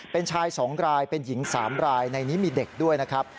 เป็นชาย๒รายเป็นหญิง๓รายในนี้มีเด็กด้วยนะครับ